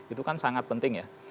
itu kan sangat penting ya